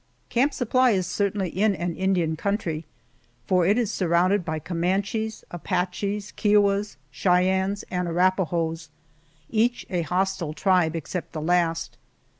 Camp Supply is certainly in an Indian country, for it is surrounded by Comanches, Apaches, Kiowas, Cheyennes, and Arapahoes each a hostile tribe, except the last.